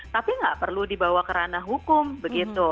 tapi nggak perlu dibawa kerana hukum begitu